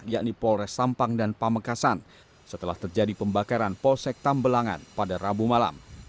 yakni polres sampang dan pamekasan setelah terjadi pembakaran polsek tambelangan pada rabu malam